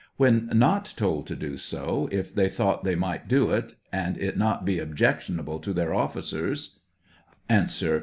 When not told to do so, if they thought they might do it and it not bo objectionable to their officers A. .